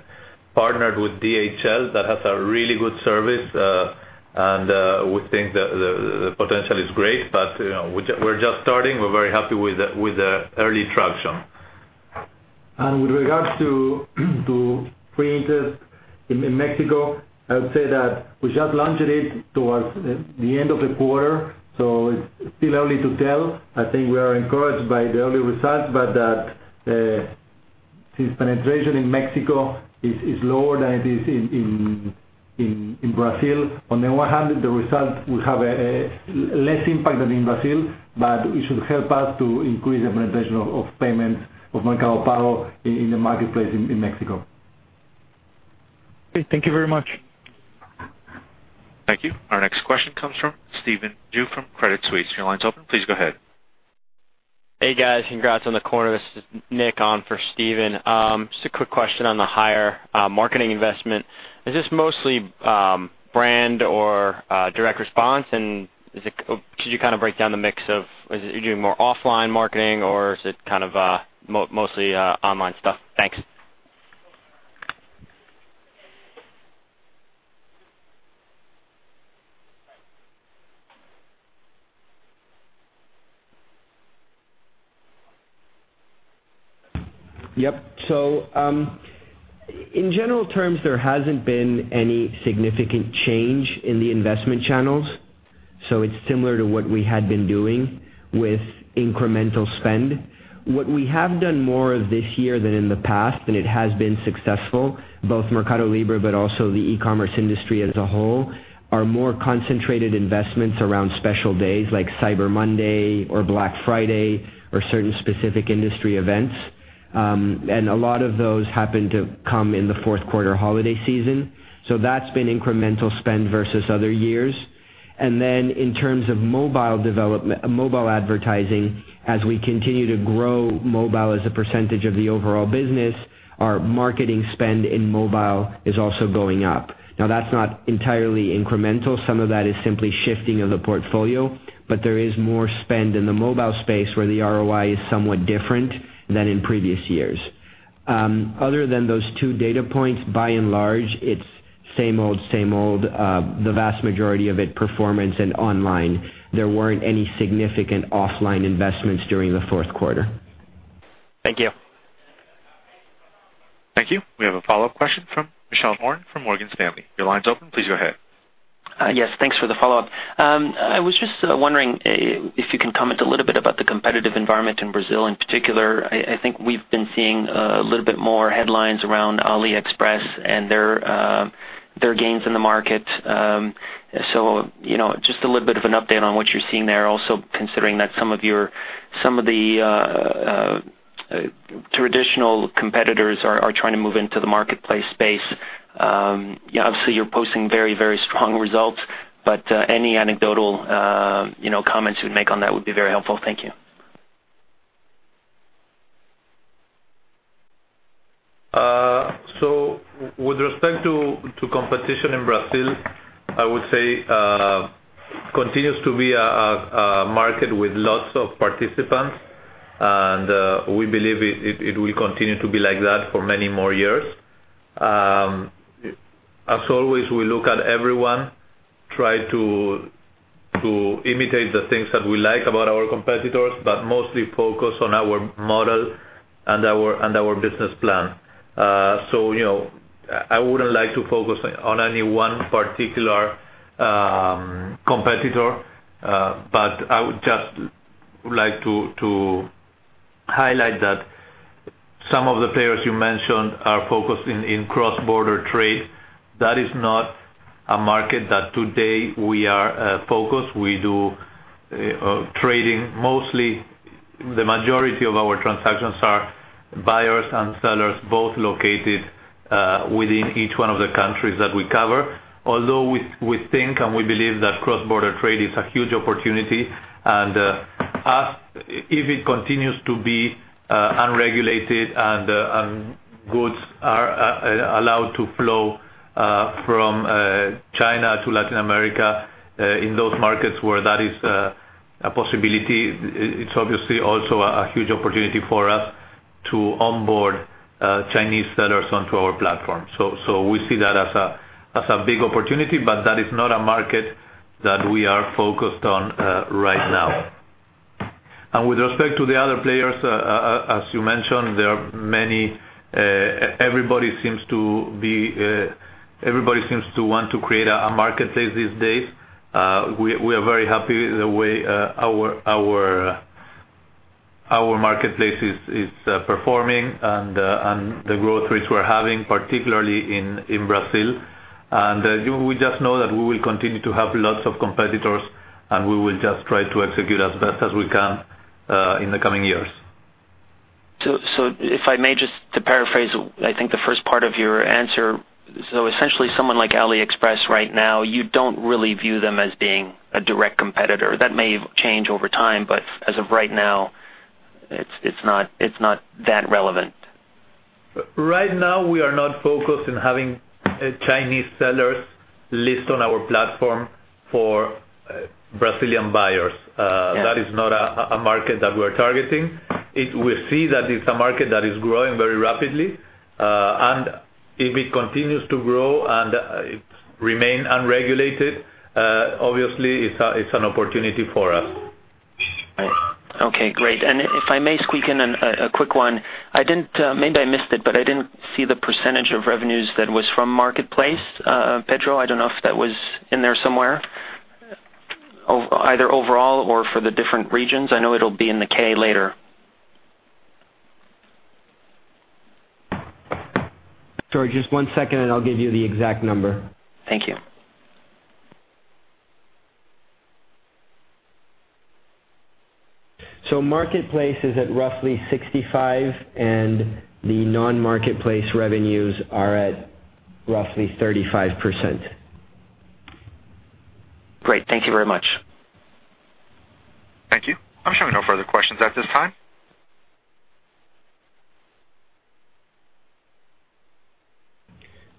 Speaker 5: partnered with DHL, that has a really good service. We think the potential is great. We're just starting. We're very happy with the early traction.
Speaker 7: With regards to free interest in Mexico, I would say that we just launched it towards the end of the quarter, it's still early to tell. I think we are encouraged by the early results, that since penetration in Mexico is lower than it is in Brazil. On the one hand, the result will have a less impact than in Brazil, it should help us to increase the penetration of payments, of Mercado Pago in the marketplace in Mexico.
Speaker 9: Okay, thank you very much.
Speaker 3: Thank you. Our next question comes from Stephen Ju from Credit Suisse. Your line's open. Please go ahead.
Speaker 10: Hey, guys. Congrats on the quarter. This is Nick on for Stephen. Just a quick question on the higher marketing investment. Is this mostly brand or direct response? Could you break down the mix? Are you doing more offline marketing or is it mostly online stuff? Thanks.
Speaker 2: Yep. In general terms, there hasn't been any significant change in the investment channels. It's similar to what we had been doing with incremental spend. What we have done more of this year than in the past, and it has been successful, both MercadoLibre, but also the e-commerce industry as a whole, are more concentrated investments around special days, like Cyber Monday or Black Friday, or certain specific industry events. A lot of those happen to come in the fourth quarter holiday season. That's been incremental spend versus other years. In terms of mobile advertising, as we continue to grow mobile as a percentage of the overall business, our marketing spend in mobile is also going up. Now, that's not entirely incremental. Some of that is simply shifting of the portfolio. There is more spend in the mobile space where the ROI is somewhat different than in previous years. Other than those two data points, by and large, it's same old. The vast majority of it, performance and online. There weren't any significant offline investments during the fourth quarter.
Speaker 10: Thank you.
Speaker 3: Thank you. We have a follow-up question from Michelle Horn from Morgan Stanley. Your line's open. Please go ahead.
Speaker 11: Yes. Thanks for the follow-up. I was just wondering if you can comment a little bit about the competitive environment in Brazil in particular. I think we've been seeing a little bit more headlines around AliExpress and their gains in the market. Just a little bit of an update on what you're seeing there, also considering that some of the traditional competitors are trying to move into the marketplace space. Obviously, you're posting very strong results, but any anecdotal comments you'd make on that would be very helpful. Thank you.
Speaker 5: With respect to competition in Brazil, I would say, continues to be a market with lots of participants, and we believe it will continue to be like that for many more years. As always, we look at everyone, try to imitate the things that we like about our competitors, but mostly focus on our model and our business plan. I wouldn't like to focus on any one particular competitor, but I would just like to highlight that some of the players you mentioned are focused in cross-border trade. That is not a market that today we are focused. We do trading. The majority of our transactions are buyers and sellers both located within each one of the countries that we cover. Although we think and we believe that cross-border trade is a huge opportunity, and if it continues to be unregulated and goods are allowed to flow from China to Latin America, in those markets where that is a possibility, it's obviously also a huge opportunity for us to onboard Chinese sellers onto our platform. We see that as a big opportunity, but that is not a market that we are focused on right now. With respect to the other players, as you mentioned, there are many. Everybody seems to want to create a marketplace these days. We are very happy the way our marketplace is performing and the growth rates we're having, particularly in Brazil. We just know that we will continue to have lots of competitors, and we will just try to execute as best as we can in the coming years.
Speaker 11: If I may just to paraphrase, I think the first part of your answer. Essentially someone like AliExpress right now, you don't really view them as being a direct competitor. That may change over time, but as of right now, it's not that relevant.
Speaker 5: Right now, we are not focused on having Chinese sellers list on our platform for Brazilian buyers. Yeah. That is not a market that we're targeting. We see that it's a market that is growing very rapidly. If it continues to grow and it remain unregulated, obviously it's an opportunity for us.
Speaker 11: Okay, great. If I may squeak in a quick one. Maybe I missed it, but I didn't see the % of revenues that was from Marketplace. Pedro, I don't know if that was in there somewhere, either overall or for the different regions. I know it'll be in the K later.
Speaker 2: Sure, just one second, and I'll give you the exact number.
Speaker 11: Thank you.
Speaker 2: Marketplace is at roughly 65%, and the non-Marketplace revenues are at roughly 35%.
Speaker 11: Great. Thank you very much.
Speaker 3: Thank you. I'm showing no further questions at this time.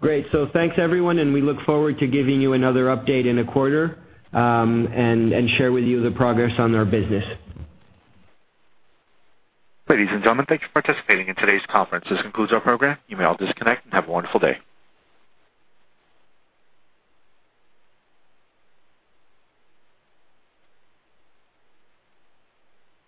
Speaker 2: Great. Thanks, everyone, and we look forward to giving you another update in a quarter and share with you the progress on our business.
Speaker 3: Ladies and gentlemen, thank you for participating in today's conference. This concludes our program. You may all disconnect and have a wonderful day.